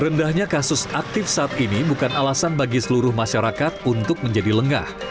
rendahnya kasus aktif saat ini bukan alasan bagi seluruh masyarakat untuk menjadi lengah